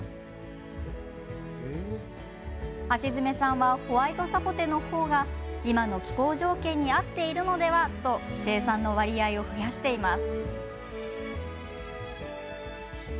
橋爪さんはホワイトサポテの方が今の気候条件に合っているのではと生産の割合を増やしています。